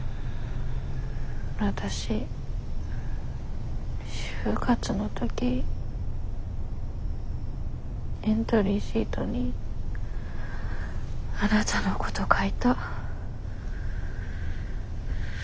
わたし就活の時エントリーシートにあなたのこと書いた。